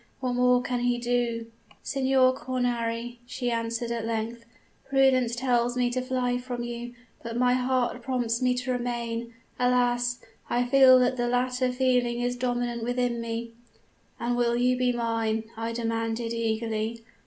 What more can he do?' "'Signor Cornari,' she answered at length, 'prudence tells me to fly from you; but my heart prompts me to remain. Alas! I feel that the latter feeling is dominant within me!' "'And you will be mine?' I demanded eagerly.